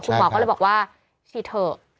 คุณหมอก็เลยบอกว่าฉีดเถอะ